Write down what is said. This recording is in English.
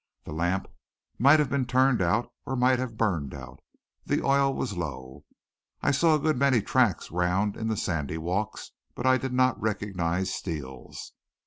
The lamp might have been turned out or might have burned out. The oil was low. I saw a good many tracks round in the sandy walks. I did not recognize Steele's.